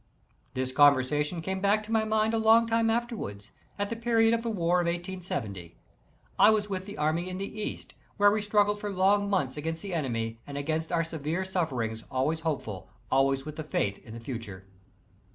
This conversation came back to my mind a long time afterward, at the period of the war of 1870. I was with the army in the East, where we struggled for long months against the enemy and against our severe sufferings, always hopeful, always with faith in the future.